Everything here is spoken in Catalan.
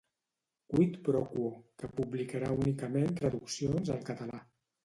Quid pro Quo, que publicarà únicament traduccions al català.